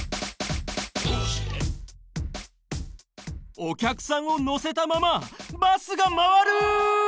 おきゃくさんをのせたままバスがまわる！